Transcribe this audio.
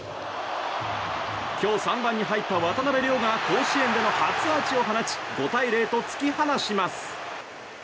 今日、３番に入った渡邉諒が甲子園での初アーチを放ち５対０と突き放します。